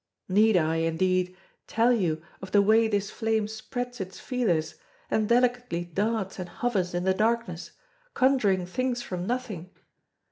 Need I, indeed, tell you of the way this flame spreads its feelers, and delicately darts and hovers in the darkness, conjuring things from nothing?